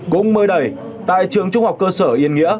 cũng mới đầy tại trường trung học cơ sở yên nghĩa